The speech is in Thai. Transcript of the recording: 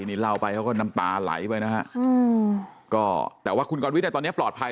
นี่เล่าไปเขาก็น้ำตาไหลไปนะฮะก็แต่ว่าคุณกรวิทย์ตอนนี้ปลอดภัย